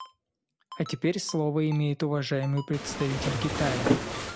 А теперь слово имеет уважаемый представитель Китая.